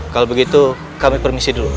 kalau begitu kami permisi dulu